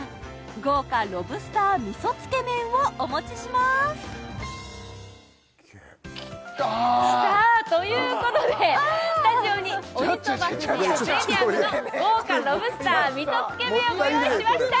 豪華ロブスター味噌つけ麺をお持ちしますあさあということでスタジオに鬼そば藤谷ＰＲＥＭＩＵＭの豪華ロブスター味噌つけ麺をご用意しました